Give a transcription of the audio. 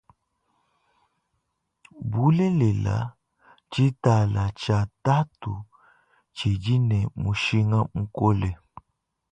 Bulelela tshitala tshia tatu tshidine mushinga mukole.